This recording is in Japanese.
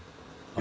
あ！